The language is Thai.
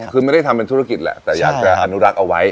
คือไม่ได้ทำเป็นธุรกิจแหละแต่อยากจะอนุรักษ์เอาไว้